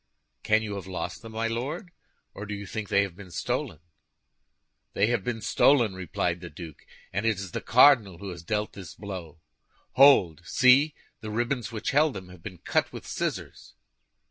"Can you have lost them, my Lord, or do you think they have been stolen?" "They have been stolen," replied the duke, "and it is the cardinal who has dealt this blow. Hold; see! The ribbons which held them have been cut with scissors."